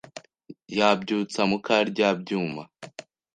Yabyutse mu Karyabyuma